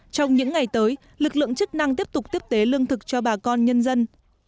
trong những ngày tới lực lượng chức năng tiếp tục tiếp tế lương thực cho bà con nhân dân